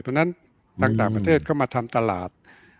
เพราะฉะนั้นต่างประเทศก็มาทำตลาด